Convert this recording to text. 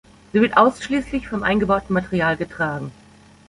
Sie wird ausschließlich vom eingebauten Material getragen.